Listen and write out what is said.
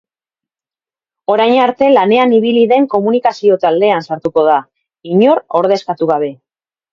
Orain arte lanean ibili den komunikazio taldean sartuko da, inor ordezkatu gabe.